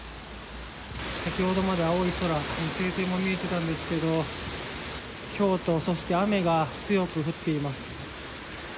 先ほどまでは青い空晴天も見えていたんですがひょうとそして雨が強く降っています。